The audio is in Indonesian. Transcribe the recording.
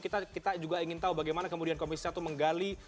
kita juga ingin tahu bagaimana kemudian komisi satu menggali